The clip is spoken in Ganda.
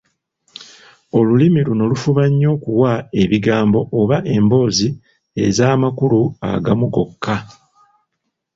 Olulimi luno lufuba nnyo okuwa ebigambo oba emboozi ez’amakulu agamu gokka.